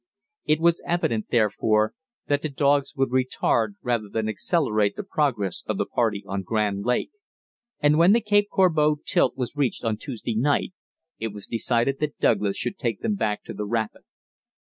It was evident, therefore, that the dogs would retard rather than accelerate the progress of the party on Grand Lake, and when the Cape Corbeau tilt was reached on Tuesday night it was decided that Douglas should take them back to the rapid.